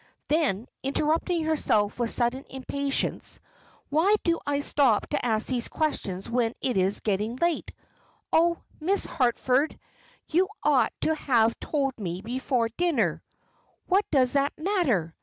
Then, interrupting herself with sudden impatience, "Why do I stop to ask these questions when it is getting late? Oh, Miss Harford, you ought to have told me before dinner! What does that matter?